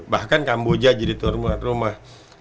bahkan kamboja jadi tuan rumah